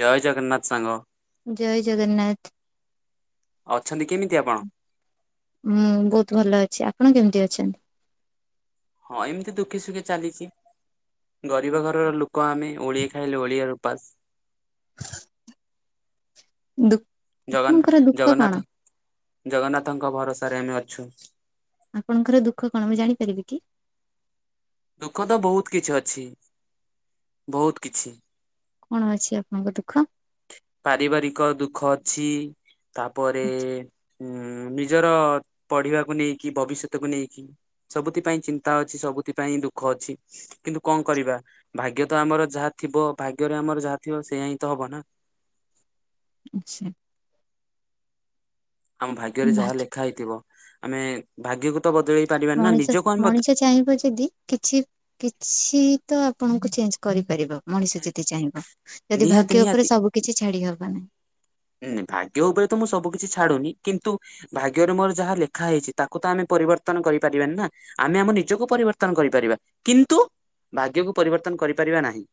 ଜୟ ଜଗନ୍ନାଥ ସାଙ୍ଗ। ଜୟ ଜଗନ୍ନାଥ। ଅଛନ୍ତି କେମିତି ଆପଣ? ହୁଁ ବହୁତ ଭଲ ଅଛି ଆପଣ କେମିତି ଅଛନ୍ତି? ହଁ ଏମିତି ଦୁଃଖେ ସୁଖେ ଚାଲିଛି। ଗରିବ ଘରର ଲୋକ ଆମେ ଓଳିଆ ଖାଇଲେ ଓଳିଆର ଉପାସ। ଦୁ ଜଗନ୍ ଆପଣଙ୍କର ଦୁଃଖ କଣ ଜଗନ୍ନାଥ ଜଗନ୍ନାଥଙ୍କ ଭରସାରେ ଆମେ ଅଛୁ। ଆପଣଙ୍କର ଦୁଃଖ କଣ ମୁଁ ଜାଣିପାରିବି କି? ଦୁଃଖ ତ ବହୁତ କିଛି ଅଛି ବହୁତ କିଛି? କଣ ଅଛି ଆପଣଙ୍କ ଦୁଃଖ? ପାରିବାରିକ ଦୁଃଖ ଅଛି ତାପରେ ହଁ ନିଜର ପଢିବାକୁ ନେଇକି ଭବିଷ୍ୟତକୁୁ ନେଇକି ସବୁଥିପାଇଁ ଚିନ୍ତା ଅଛି ସବୁଥିପାଇଁ ଦୁଃଖ ଅଛି। କିନ୍ତୁ କଣ କରିବା ଭାଗ୍ୟ ତ ଆମର ଯାହା ଥିବ ଭାଗ୍ୟରେ ଆମର ଯାହା ଥିବ ସେଇଆ ହିଁ ତ ହବ ନା। ଆଚ୍ଛା। ଆମ ଭାଗ୍ୟରେ ଯାହା ବାକି ଲେଖା ହେଇଥିବ ଆମେ ଭାଗ୍ୟକୁ ତ ବଦଳେଇ ପାରିବାନି ନା ମଣିଷ ନିଜକୁ ଆମେ ବ ମଣିଷ ଚାହିଁବ ଯଦି କିଛି କିଛି ତ ଆପଣଙ୍କୁ ଚେଞ୍ଜ କରିପାରିବ। ମଣିଷ ଯଦି ଚାହିଁବ ଯଦି ନିହାତି ଭାଗ୍ୟ ଉପରେ ସବୁ କିିଛି ଛାଡି ହବ ନାହିଁ। ହୁଁ ଭାଗ୍ୟ ଉପରେ ତ ମୁଁ ସବୁ କିିଛି ଛାଡୁନି କିନ୍ତୁ ଭାଗ୍ୟରେ ମୋର ଯାହା ଲେଖା ହେଇଛି ତାକୁ ତ ଆମେ ପରିବର୍ତ୍ତନ କରିପାରିବାନି ନା। ଆମେ ଆମ ନିଜକୁ ପରିବର୍ତ୍ତନ କରିପାରିବା କିନ୍ତୁ ଭାଗ୍ୟକୁ ପରିବର୍ତ୍ତନ କରିପାରିବା ନାହିଁ।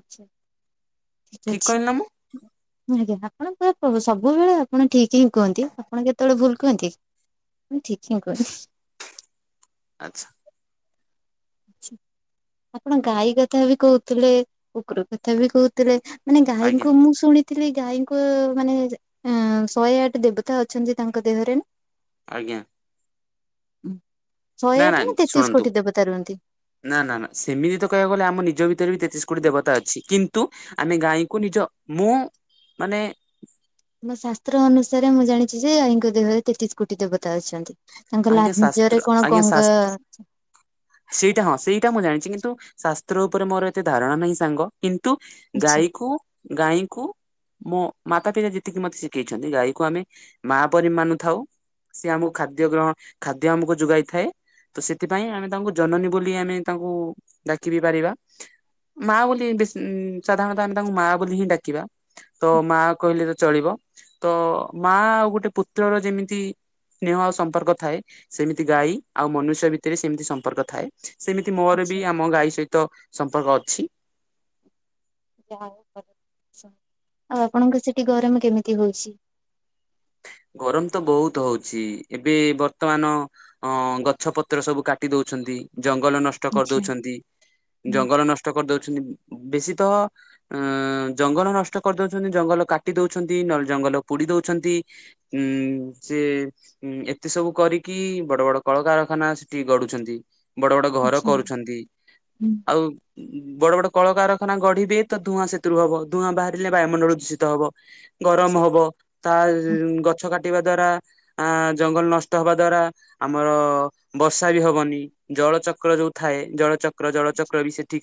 ଆଛା ଠିକ ଅଛି। କହିଲି ନା ମୁଁ ହଁ ଆଜ୍ଞା ଆପଣ ପୁରା ସବୁବେଳେ ଆପଣ ଠିକ ହିଁ କୁହନ୍ତି। ଆପଣ କେତେବେଳେ ଭୁଲ କୁହନ୍ତି? ଠିକ୍ ହିଁ କୁହ ଆଚ୍ଛା। ଆପଣ ଗାଈ କଥା ବି କହୁଥିଲେ କୁକୁର କଥା ବି କହୁଥିଲେ ମାନେ ଆଜ୍ଞା ଗାଈଙ୍କୁ ମୁଁ ଶୁଣି ଥିଲି ଗାଇଙ୍କୁ ମାନେ ଏଁ ଶହେ ଆଠ ଦେବତା ଅଛନ୍ତି ତାଙ୍କ ଦେହରେ ନା? ଆଜ୍ଞା। ଶହେ ଆଠ ନା ତେତିଶ କୋଟି ଦେବତା ରୁହନ୍ତି। ନା ନା ନା ସେମିତି ତ କହିବାକୁ ଗଲେ ଆମ ନିଜ ଭିତରେ ବି ତେତିଶ କୋଟି ଦେବତା ଅଛି। କିନ୍ତୁ ଆମେ ଗାଈଙ୍କୁ ନିଜ ମୁଁ ମାନେ ମୋ ଶାସ୍ତ୍ର ଅନୁସାରେ ମୁଁ ଜାଣିଛି ଯେ ଆଈଙ୍କ ଦେହରେ ତେତିଶ କୋଟି ଦେବତା ଅଛନ୍ତି। ତାଙ୍କ ଆଜ୍ଞା ଶାସ୍ତ୍ର ଲାଞ୍ଜରେ କଣ ଆଜ୍ଞା ଗଙ୍ଗା ଶାସ୍ତ୍ର ସେଇଟା ହଁ ସେଇଟା ମୁଁ ଜାଣିଛି କିନ୍ତୁ ଶାସ୍ତ୍ର ଉପରେ ମୋର ଏତେ ଧାରଣା ନାହିଁ ସାଙ୍ଗ। କିନ୍ତୁ ଆଚ୍ଛା ଗାଈକୁ ଗାଈଙ୍କୁ ମୋ ମାତା ପିତା ଯେତିକି ମତେ ଶିଖେଇଛନ୍ତି ଗାଈକୁ ଆମେ ମା ପରି ମାନୁଥାଉ। ସିଏ ଆମକୁ ଖାଦ୍ୟ ଗ୍ରହ ଖାଦ୍ୟ ଆମକୁ ଯୋଗାଇ ଥାଏ। ତ ସେଥିପାଇଁ ଆମେ ତାଙ୍କୁ ଜନନୀ ବୋଲି ଆମେ ତାଙ୍କୁ ଡାକିବି ପାରିବା। ମା ବୋଲି ବେସ ସାଧାରଣତଃ ଆମେ ତାଙ୍କୁ ମାଆ ବୋଲି ହିଁ ଡାକିବା। ତ ମା କହିଲେ ତ ଚଳିବ ତ ମା ଆଉ ଗୋଟେ ପୁତ୍ରର ଯେମିତି ସ୍ନେହ ଆଉ ସମ୍ପର୍କ ଥାଏ ସେମିତି ଗାଈ ଆଉ ମନୁଷ୍ୟ ଭିତରେ ସେମିତି ସମ୍ପର୍କ ଥାଏ। ସେମିତି ମୋର ବି ଆଚ୍ଛା ଆମ ଗାଈ ସହିତ ସମ୍ପର୍କ ଅଛି। ଆପଣଙ୍କ ସେଠି ଗରମ କେମିତି ହଉଛି? ଗରମ ତ ବହୁତୁ ହଉଛି ଏବେ ବର୍ତ୍ତମାନ ଅ ଗଛ ପତ୍ର ସବୁ କାଟି ଦଉଛନ୍ତି ଜଙ୍ଗଲ ନଷ୍ଟ ଆଚ୍ଛା କରିଦଉଛନ୍ତି ଜଙ୍ଗଲ ନଷ୍ ଷ୍ଟ କରିଦଉଛନ୍ତି ବେଶୀ ତଃ ଏ ଜଙ୍ଗଲ ନଷ୍ଟ କରିଦଉଛନ୍ତି ଜଙ୍ଗଲ କାଟି ଦଉଛନ୍ତି ନହେଲେ ଜଙ୍ଗଲ ପୋଡି ଦଉଛନ୍ତି। ଉଁ ଉଁ ଚେ ଉଁ ଏତେ ସବୁ କରିକି ବଡ ବଡ କଳକାରଖାନା ସେଠି ଗଡୁଛନ୍ତି ବଡ ବଡ ଘର ଆଚ୍ଛା କରୁଛନ୍ତି ଆଉ ବଡ ବଡ କଳକାରଖାନା ଗଢିବେ ତ ଧୂଆଁ ସେଥିରୁ ହବ ଧୂଆଁ ବାହ ହେ ବାୟୁମଣ୍ଡଳ ଦୂଷିତ ହବ ଗରମ ହବ ତା ଗଛ କାଟିବା ଦ୍ଵାରା ଆ ଜଙ୍ଗଲ ନଷ୍ଟ ହବା ଦ୍ଵାରା ଆମର ବର୍ଷା ବି ହବନି ଜଳଚକ୍ର ଯୋଉ ଥାଏ ଜଳଚକ୍ର ଚକ୍ର ଜଳଚକ୍ର ବି ସେ ଠି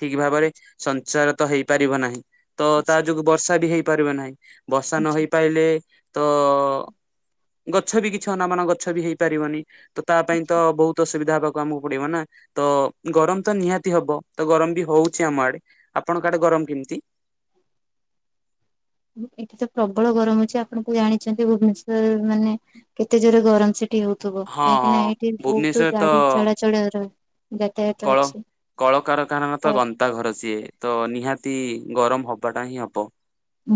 ଠିକ ଭାବରେ ସଞ୍ଚାର ତ ହେଇପାରିବ ନାହିଁ ତ ତା ଆଚ୍ଛା। ଯୋଗୁଁ ବର୍ଷା ବି ହେଇପାରିବ ନାହିଁ ବର୍ଷା ନ ହେଇ ପାଇଲେ ତ ଗଛ ବି କିଛି ଅନାମନା ଗଛ ବି ହେଇପାରିବନି ତ ତା ପାଇଁ ତ ବହୁତ ଅସୁବିଧା ହବା ଆକୁ ପଡିବ ନା ତ ଗରମ ତ ନିହାତି ହବ ତ ଗରମ ବି ହଉଛି ଆମ ଆଡେ ଆପଣଙ୍କ କାଆଡେ ଗରମ କେମିତି ଏଇଠି ତ ପ୍ରବଳ ଗରମ ଅଛି ଆପଣଙ୍କୁ ଜାଣିଛନ୍ତି ଭୁବନେଶ୍ଵର ମାନେ କେତେ ଜୋରେ ଗରମ ସେ ଏଠୀ ହଉଥିବ ହଁ କାହିଁକି ନା ହଁ ଏଇଠି ବହୁତ ଭୁବନେଶ୍ଵର ତ ଗାଡି ଚଳାଚଳର ରହ କଳ କଳକାରଖାନା ମତ ଗନ୍ଧ ତା ଘର ସିଏ ତ ନିହାତି ଗରମ ହବାଟା ହିଁ ହବ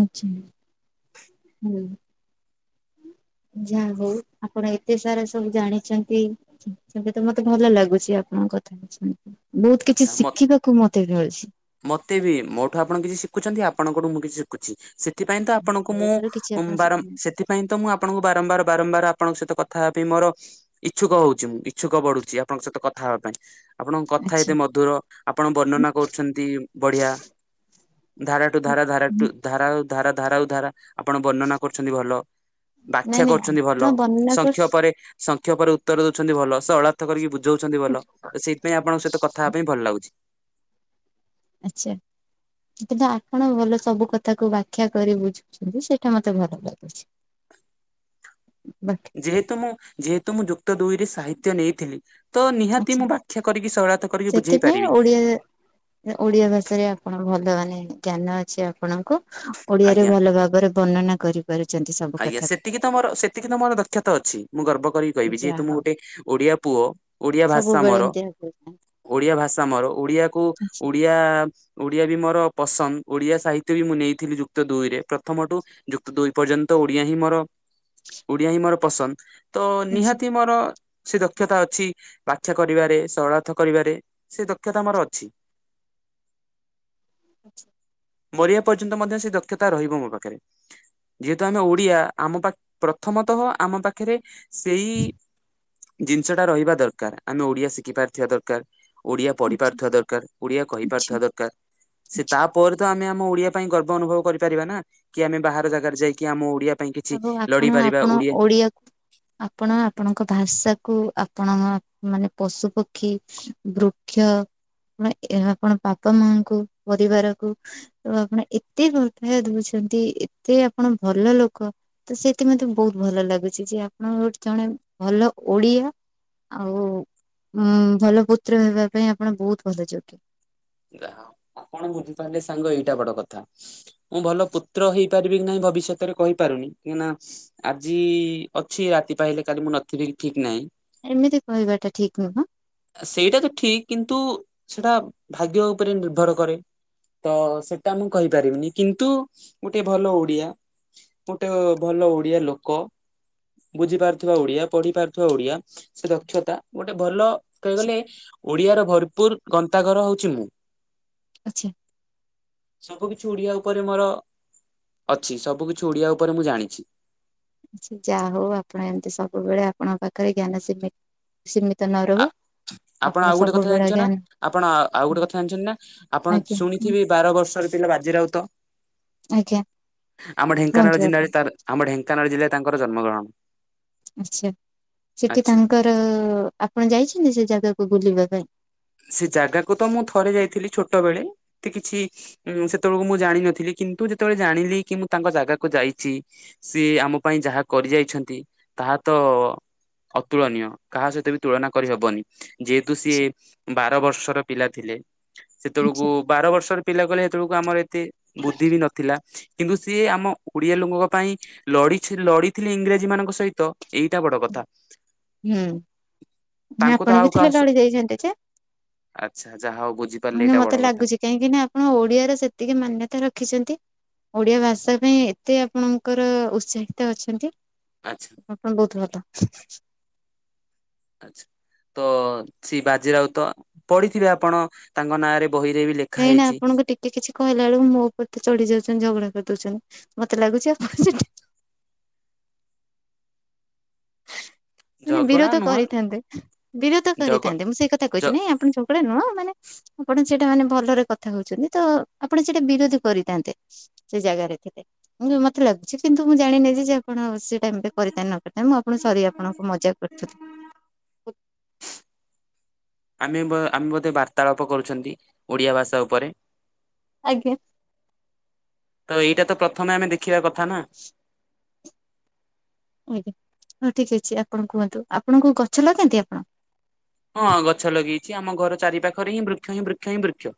ଆଚ୍ଛା ହୁଁ ଯାହା ହଉ ଆପଣ ଏତେ ସାରା ସବୁ ଜାଣିଛନ୍ତି ସେମତି ତ ମତେ ଭଲ ଲାଗୁଛି ଆପଣଙ୍କ କଥା ବହୁତ ଆଚ୍ଛା କିଛି ମତେ ଶିଖିବାକୁ ମତେ ମିଳୁଛି ମତେ ବି ମୋଠୁ ଆପଣ କିଛି ଶିଖୁଛନ୍ତି ଆପଣଙ୍କଠୁ ମୁଁ କିଛି ଶିଖୁଛି ସେଥିପାଇଁ ତ ଆପଣଙ୍କୁ ମୋ ମୁଁ ଠାରୁ କିଛି ଆପଣ ବାର ଶିଖିନାହାନ୍ତି ସେଥି ପାଇଁ ତ ମୁଁ ଆପଣଙ୍କୁ ବାରମ୍ବାର ବାରମ୍ବାର ଆପଣଙ୍କ ସହିତ କଥା ହେବା ପାଇଁ ମୋର ଇଚ୍ଛୁକ ହଉଛି ମୁଁ ଇଚ୍ଛୁକ ବଢୁଚଛି ଆପଣଙ୍କ ସହିତ କଥା ହବା ପାଇଁ ଆପଣଙ୍କ କଥା ଆଚ୍ଛା। ଏତେ ମଧୁର ଆପଣ ବର୍ଣ୍ଣନା କ ଛନ୍ତି ବଢିଆ ଧାରା ଟୁ ଧାରା ଧାରାଠୁ ଧାରା ଧାରା ଧାରା ଉ ଧାରା ଆପଣ ବର୍ଣ୍ଣନା କରୁଛନ୍ତି ଭଲ ଵ୍ୟାଖ୍ୟା ନାଇଁ ନାଇଁ କରୁଛନ୍ତି ଭଲ ଆପଣ ବର୍ଣ୍ଣନା କର ସଂଖ ପରେ ସଂଖ୍ୟ ପରେ ଉତ୍ତର ଦଉଛନ୍ତି ଭଲ ସେ ଅଳାର୍ଥ କରିକି ବୁଝାଉଉଛନ୍ତି ଭଲ ତ ସେଇଥିପାଇଁ ଆପଣଙ୍କ ସହିତ କଥା ହେବା ପାଇଁ ଭଲ ଲାଗୁଛି ଆଚ୍ଛା କିନ୍ତୁ ଆପଣ ଭଲ ସବୁ କଥାକୁ ବ୍ୟାଖ୍ୟା କରି ବୁଝୁଛନ୍ତି ସେଇଟା ମତେ ଭଲ ଲାଗୁଛି ବାତ ଯେହେତୁ ମୁଁ ଯେହେତୁ ମୁଁ ଯୁକ୍ତ ଦୁଇରେ ସାହିତ୍ୟ ନେଇଥିଲି ତ ନିହାତି ଆଚ୍ଛା ମୁଁ ବା୍ୟାଖ୍ୟା କରିକି ସରଳାର୍ଥ କରିକି ବୁଝେଇ ସେଥିପାଇଁ ପାରିବି ଓଡିଆ ଓଡିଆ ଭାଷାରେ ଆପଣ ଭଲ ମାନେ ଜ୍ଞାନ ଅଛି ଆପଣଙ୍କୁ ଓଡିଆରେ ଆଜ୍ଞା। ଭଲ ଭାବରେ ବର୍ଣ୍ଣନା କରି କରୁଛନ୍ତି ସବୁ ଆଜ୍ଞା କଥାକୁ ସେତିକି ତ ମୋର ସେତିକି ତ ମୋର ଦକ୍ଷତା ଅଛି ମୁଁ ଗର୍ବ କରିକି କହିବି ଯାହା ଯେହେତୁ ମୁଁ ହଉ। ଗୋଟେ ଓଡିଆ ପୁଅ ଓଡିଆ ଭାଷା ସବୁବେଳେ ମୋର ଏମିତି ଆଚ୍ଛା ଓଡିଆ ଭାଷା ମୋର ଓଡିଆକୁ ଆଚ୍ଛା ଓଡିଆ ଓଡ଼ିଆ ବି ମୋର ପସନ୍ଦ ଓଡ଼ିଆ ସାହିତ୍ୟ ବି ମୁଁ ନେଇଥିଲି ଯୁକ୍ତ ଦୁଇରେ ପ୍ରଥମଠୁ ଯୁକ୍ତ ଦୁଇ ପର୍ଯ୍ୟନ୍ତ ତ ଓଡିଆ ହିଁ ମୋର ଓଡିଆ ହିଁ ମୋର ପସନ୍ଦ ତ ଆଚ୍ଛା ନିହାତି ମୋର ସେ ଦକ୍ଷତା ଅଛି ବାଛ କରିବାରେ ସରଳାର୍ଥ କରିବାରେ ସେ ଦକ୍ଷତା ଆମର ଅଛି ଆଚଛା ମରିବା ପର୍ଯ୍ୟନ୍ତ ମଧ୍ୟ ସେ ଦକ୍ଷତା ରହିବ ମୋ ପାଖରେ ଯେହେତୁ ଆମେ ଓଡିଆ ଆମ ପାଖ ପ୍ରଥମତଃ ଆମ ପାଖରେ ସେଇ ଜିନିଷ ଟା ରହିବା ଦରକାର ଆମେ ଓଡିଆ ଶିଖି ପାରିଥିବା ଦରକାର ଓଡିଆ ପଢିପାରୁଥିବା ଦରକାର ଓଡିଆ ଆଚ୍ଛା କହିପାରୁଥିବା ଦରକାର ସେ ଆଚ୍ଛା। ତା ପରେ ତ ଆମେ ଆମ ଓଡିଆ ପାଇଁ ଗର୍ବ ଅନୁଭବ କରିପାରିବା ନା କି ଆମେ ବାହାର ଜାଗାରେ ଯାଇକି ଆମ ଓଡିଆ ପାଇଁ କିଛି ଆଉ ଲଢି ଆପଣ ପାରିବା ଆପଣ ଓଡିଆ। ଆପଣ ଆପଣଙ୍କ ଭାଷାକୁ ଆପଣ ମାନେ ପଶୁପକ୍ଷୀ। ବୃକ୍ଷ ମାନେ ଏହା ଆପଣ ବାପା ମାଙ୍କୁ ପରିବାରକୁ। ତ ଆପଣ ଏତେ ଭଲ ପାଇବା ଦଉଛନ୍ତି ଏତେ ଆପଣ ଭଲ ଲୋକ। ତ ସେଇଥି ମତେ ବହୁତ ଭଲ ଲାଗୁଛି ଯେ ଆପଣଙ୍କ ଗୋଟେ ଜଣେ ଭଲ ଓଡିଆ। ଆଉ ଉଁ ଭଲ ପୁତ୍ର ହେବା ପାଇଁ ଆପଣ ବହୁତ ଭଲ ଯୋଗ୍ୟ। ଯା ହାଉ ଆପଣ ବୁଝିପାରିଲଲେ ସାଙ୍ଗ ଏଇଟା ବଡ କଥା ମୁଁ ଭଲ ପୁତ୍ର ହେଇ ପାରିବି କି ନାଇଁ ଭବିଷ୍ୟତରେ କହିପାରୁନି କାଇଁ ନା। ଆଜି ଅଛି ରାତି ପାହିଲେ କାଲି ମୁଁ ନଥିବି ଠିକ ନାହିଁ। ଏମିତି କହିବାଟା ଠିକ ନୁହଁ। ସେଇଟା ତ ଠିକ କିନ୍ତୁ ସେଟା ଭାଗ୍ୟ ଉପରେ ନିର୍ଭର କରେ। ତ ସେଟା ମୁଁ କହିପାରିବିନି କିନ୍ତୁ ଗୋଟେ ଭଲ ଓଡିଆ। ଗୋଟେ ଭଲ ଓଡିଆ ଲୋକ। ବୁଝି ପାରୁଥିବା ଓଡିଆ ପଢି ପାରୁଥିବା ଓଡିଆ ସେ ଦକ୍ଷତା ଗୋଟେ ଭଲ। କହିଆକୁ ଗଲେ ଓଡିଆର ଭରପୁର ଗନ୍ତାଘର ହଉଛି ମୁଁ। ଆଛା। ସବୁ କିିଛି ଓଡିଆ ଉପରେ ମୋର। ଅଛି ସବୁ କିିଛି ଓଡ଼ିଆ ଉପରେ ମୁଁ ଜାଣିଛି। ଆଛା ଯା ହଉ ଆପଣ ଏମିତି ସବୁବେଳେ ଆପଣଙ୍କ ପାଖରେ ଜ୍ଞାନ ସିମି ସିମିତ ନ ଆ ରହୁ। ଆପଣ ଆଉ ଗୋଟେ କଥା ସବୁବେଳେ ଜାଣିଛ ନା ଜ୍ଞାନ ଆପଣ ଆଉ ଗୋଟେ କଥା ଜାଣିଛନ୍ତି ନା ଆପଣ ଆଜ୍ଞା ଶୁଣିଥିବେ। ବାର ବର୍ଷର ପିଲା ବାଜି ରାଉତ ଆଜ୍ଞା ଆମ କୁହନ୍ତୁ ଢେଙ୍କାନାଳ ଆପଣ ଜିଲ୍ଲାରେ ତାର ଆମ ଢେଙ୍କାନାଳ ଜିଲା ରେ ତାଙ୍କର ଜନ୍ମଗ୍ରହଣ। ଆଛା ସେଠି ଆଚ୍ଛା ତାଙ୍କର ଆପଣ ଯାଇଛନ୍ତି ସେ ଜାଗାକୁ ବୁଲିବା ପାଇଁ। ସେ ଜାଗାକୁ ତ ମୁଁ ଥରେ ଯାଇଥିଲି ଛୋଟ ବେଳେ ଏତେ କିଛି। ମୁଁ ସେତେ ବେଳକୁ ମୁଁ ଜାଣିନଥିଲି କିନ୍ତୁ ଯେତେବେଳେ ଜାଣିଲି କି ମୁଁ ତାଙ୍କ ଜାଗାକୁ ଯାଇଛି। ସିଏ ଆମ ପାଇଁ ଯାହା କରି ଯାଇଛନ୍ତି ତାହା ତ। ଅତୁଳନୀୟ କାହା ସେତ ବି ତୁଳନା କରିହବନି। ଯେହେତୁ ସିଏ ବାର ବର୍ଷର ପିଲା ଥିଲେ ଆଚ୍ଛା। ସେତେବେଳକୁ। ବାର ବର୍ଷର ପିଲା କହିଲେ ସେତବେଳକୁ ଆମର ଏତେ ବୁଦ୍ଧି ବି ନଥିଲା। କିନ୍ତୁ ସିଏ ଆମ ଓଡିଆ ଲୋକଙ୍କ ପାଇଁ। ଲଢି ଛି ଲଢିଥିଲେ ଇଂରାଜୀ ମାନଙ୍କ ସହିତ ଏଇଟା ବଡ କଥା। ହୁଁ ତାଙ୍କୁ ତ ଆପଣ ଆଉ ବି ଥିଲେ କାହା ଲଢଳି ଯାଇଥାନ୍ତେ ଯେ। ଆଚ୍ଛା ଯାହା ହଉ ବୁଝି ପାରିଲେ ମାନେ ଏଇଟା ମତେ ବଡ କଥା। ଲାଗୁଛି କାହିଁକି ନା ଆପଣ ଓଡିଆର ସେତିକି ମାନ୍ୟତା ରଖିଛନ୍ତି ଓଡିଆ ଆଚ୍ଛା ଭାଷା ପାଇଁ ଏ ଏତେ ଆପଣଙ୍କର ଉତ୍ସାହିତ ଅଛନ୍ତି। ଆଚ୍ଛା। ଆପଣ ବହୁତ ଭଲ। ଆଛା ତ ସେଇ ବାଜି ରାଉତ ପଢିଥିବେ ଆପଣ ତାଙ୍କ ନାଁରେ ବହିରେ ବି ଲେଖ କାହିଁକି ନା ଆପଣ ଙ୍କ ଟି ଟିକେ କିଛି କହିଲା ବେଳକୁ ମୋ ଉପରେ ତ ଚଢି ଯାଉଛନ୍ତି ଝଗଡା କରି ଦଉଛନ୍ତି ମତେ ଲାଗୁଛି ଆପଣ ସେଠି। ମାନେ ଝଗଡା ବିରୋଧ ନୁହଁ କରିଥାନ୍ତେ ବିରୋଧ ଜଗ କରିଥାନ୍ତେ ମୁଁ ସେଇ କଥା ଜ କହୁଛି ନାଇଁ ଆପଣ ଚ ଢୀ ନୁହଁ ମାନେ ଆପଣ ସେଇଟା ମାନେ ଭଲରେ କଥା ହଉଛନ୍ତି ତ ଆପଣ ସେଇଟା ବିରୋଧ କରିଥାନ୍ତେ। ସେ ଜାଗାରେ ଥିଲେ ମୁଁ ମତେ ଲାଗୁଛି କିନ୍ତୁ ମୁଁ ଜାଣିନେ ଯେ ଆପଣ ସେ ଟାଇମରେ କରିଥାନ୍ତେ ନ ନାଇ ମୁଁ ଆପଣ ସରି ଆପଣଙ୍କୁ ମଜା କରୁଥିଲି। ଆମେ ବୋ ଆମେ ବୋଧେ ବାର୍ତ୍ତାଳାପ କରୁଛନ୍ତି ଓଡ଼ିଆ ଭାଷା ଉପରେ। ଆଜ୍ଞା। ତ ଏଇଟା ତ ପ୍ରଥମେ ଆମେ ଦେଖିବା କଥା ନା। ଆଜ୍ଞା ହଉ ଠିକ ଅଛି ଆପଣ କୁହନ୍ତୁ ଆପଣ କୋଉ ଗଛ ଲଗାନ୍ତି ଆପଣ? ହଁ ଗଛ ଲଗେଇଛି ଆମ ଘର ଚାରି ପାଖରେ ହିଁ ବୃକ୍ଷ ହିଁ ବୃକ୍ଷ ହିଁ ବୃକ୍ଷ।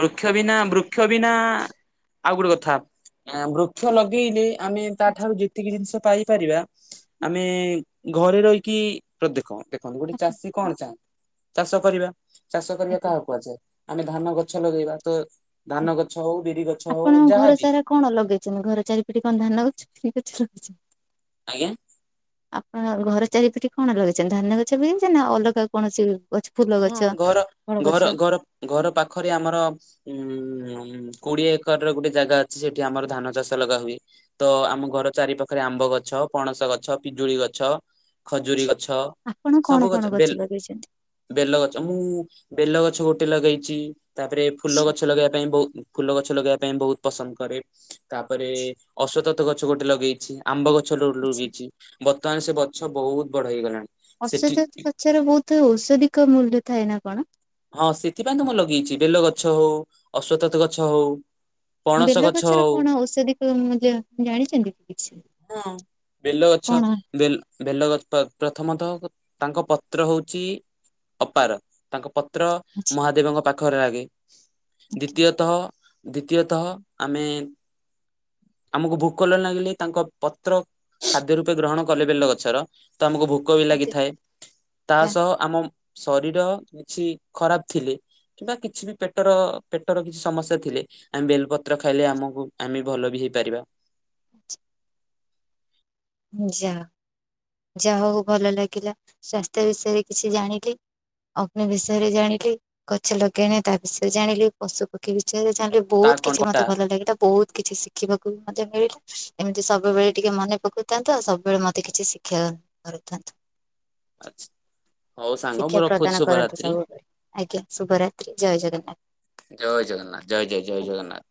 ବୃକ୍ଷ ବିନା ବୃକ୍ଷ ବିନା ଆଉ ଗୋଟେ କଥା ବୃକ୍ଷ ଲଗେଇଲେ ଆମେ ତାଠାରୁ ଯେତିକି ଜିନିଷ ପାଇପାରିବା ଆମେ ଘରେ ରହିକି ତ ଦେଖ ଦେ ଗୋଟେ ଚାଷୀ କଣ ଚାହାନ୍ତି ଚାଷ କରିବା, ଚାଷ କରିବା ଆଜ୍ଞା। କାହାକୁ କୁହାଯାଏ? ଆମେ ଧାନ ଗ ଗଛ ଲଗେଇବା ତ ଧାନ ଗଛ ହଉ, ବିରି ଗଛ ହଉ, ଆପଣଙ୍କ ଘର ଯାହାବି ସାରା କଣ ଲଗେଇଛ ଘର ଚାରିପିଟ କଣ ଧାନ ଗଛ କିଛି ଲଗେଇ ଆଜ୍ଞା। ଆପଣ ଘର ଚାରିପଟେ କଣ ଲଗେଇଛନ୍ତି ଧାନ ଗଛ ବି ନା ଅଲଗା କୌଣସି ଗଛ ଫୁଲ ହଁ ଗଛ, ଘର ଫଳ ଘର ଗଛ। ଘର ଘର ପାଖରେ ଆମର ଉଁ କୋଡିଏ ଏକର ର ଗୋଟେ ଜାଗା ଅଛି ସେଠି ଆମର ଧାନ ଚାଷ ଲଗା ହୁଏ। ତ ଆମ ଘର ଚାରି ପାଖରେ ଆମ୍ବ ଗଛ, ପଣସ ଗଛ ପିଜୁଳି ଗଛ, ଖଜୁରୀ ଗଛ। ଆପଣ ସବୁ କଣ କଣ ବେଲ ଗଛ ଲଗେଇଛନ୍ତି? ବେଲଗଛ ମୁଁ ବେଲଗଛ ଗୋଟେ ଲଗେଇଛି, ତାପରେ ଫୁଲ ଆଚ୍ଛା। ଗଛ ଲଗେଇବା ପାଇଁ ବହୁ ଫୁଲ ଗଛ ଲଗେଇବା ପାଇଁ ବହୁତ ପସନ୍ଦ କରେ, ତାପରେ ଅଶ୍ଵତତ ଗଛ ଗୋଟେ ଲଗେଇଛି, ଆମ୍ବ ଗ ଗଛ ଆଚ୍ଛା। ଲୁଗିଛି ବର୍ତ୍ତମାନ ସେ ଗଛ ବହୁତ ବଡ ହେଇଗଲାଣି। ସେଠି ଅଶ୍ଵତତ୍ ଗଛ ର ବହୁତ ଔଷଧିକ ମୂଲ୍ୟ ଥାଏ ନା କଣ? ହଁ ସେଥିପାଇଁ ତ ମୁଁ ଲଗେଇଛି ବେଲ ଗଛ ହଉ, ଅଶ୍ଵତତ ଗଛ ହଉ। ପଣସ ଗଛ ବେଲଗଛର ହଉ କଣ ଔଷଧିକ ଜାଣିଛନ୍ତି କି କିଛି? ହଁ ବେଲ ଗଛ କଣ ବେଲ ବେଲଗଛ ପ୍ରଥମତଃ ତାଙ୍କ ପତ୍ର ହଉଛି ଅପାର ତାଙ୍କ ପ ତ୍ର ଆଚ୍ଛା। ମହାଦେବଙ୍କ ପାଖରେ ଲଗେ, ଦ୍ଵିତୀୟତଃ ଦ୍ଵିତୀୟତଃ ଆମେ ଆମକୁ ଭୋକ ନ ଲାଗିଲେ ତାଙ୍କ ପତ୍ର ଖାଦ୍ୟ ରୂପେ ଗ୍ରହଣ କଲେ ବେଲ ଗଛର ତ ଆମକୁ ଭୋ କ ବି ଆଜ୍ଞା। ଲାଗିଥାଏ, ତା ଯା ସହ ଆମ ଶରୀର କିଛି ଖରାପ ଥିଲେ କିମ୍ବା କିଛି ବି ପେଟର ପେଟର କିଛି ସମସ୍ୟା ଥିଲେ ଆମେ ବେଲପତ୍ର ଖାଇଲେ ଆମକୁ ଆମେ ଭଲ ବି ହେଇପାରିବା। ଯା ଯାହା ହଉ ଭଲ ଲାଗିଲା ସ୍ୱାସ୍ଥ୍ୟ ବିଷୟରେ କିଛି ଜାଣିଲି। ଅଗ୍ନି ବିଷୟରେ ଜାଣିଲି, ଗଛ ଲଗେଇନି ତା ବିଷୟରେ ଜାଣିଲି, ପଶୁ ପକ୍ଷୀ ବିଷୟରେ ଜାଣିଲି। ତା ବହୁତ କିଛି କଣଟା ମତେ ଭଲ ଲାଗିଲା ବହୁତ କିଛି ଶିଖିବାକୁ ବି ମତେ ମିଳିଲା ଏମିତି ସବୁବେଳେ ଟିକେ ମନେ ପକଉ ଥାନ୍ତୁ ଆଉ ସବୁବେଳେ ମୋତେ କିଛି ଶିକ୍ଷା କରିଥାନ୍ତୁ। ଆଚ୍ଛା। ଶିକ୍ଷା ପ୍ରଦାନ କରନ୍ତୁ ସବୁବେଳେ ଆଜ୍ଞା, ଶୁଭରାତ୍ରି ଜୟ ଜଗନ୍ନାଥ। ଜୟ ଜଗନ୍ନାଥ ଜୟ ଜୟ ଜୟ ଜଗନ୍ନାଥ।